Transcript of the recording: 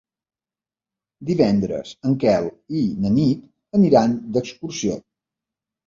Divendres en Quel i na Nit aniran d'excursió.